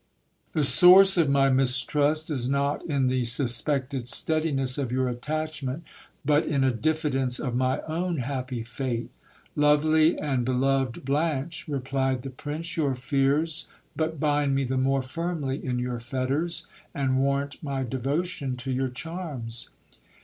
The source of my mistrust is not in the suspected steadiness of your attachment, but in a diffidence of my own happy fate. Lovely and beloved Blanche, replied THE FATAL MARRIAGE. the prince, your fears but bind me the more firmly in your fetters, and warrant my devotion to your charms.